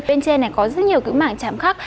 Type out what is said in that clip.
bên trên này có rất nhiều cái mảng chạm khắc